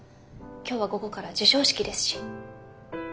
今日は午後から授賞式ですし。